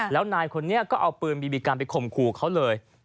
แล้วนายคนนี้ก็เอาปืนบีบีกันไปข่มขู่เขาเลย